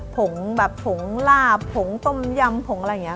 ผงแบบผงลาบผงต้มยำผงอะไรอย่างนี้